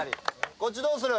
こっちどうする？